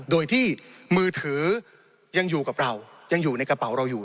โดยที่มือถือยังอยู่กับเรายังอยู่ในกระเป๋าเราอยู่